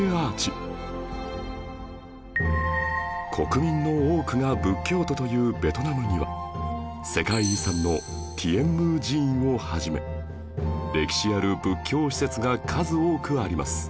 国民の多くが仏教徒というベトナムには世界遺産のティエンムー寺院をはじめ歴史ある仏教施設が数多くあります